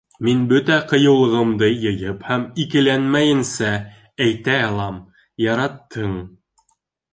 Мин бөтә ҡыйыулығымды йыйып һәм икеләнмәйенсә әйтә алам - яраттың.